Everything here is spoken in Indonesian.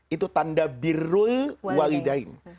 itu tanda birul walidain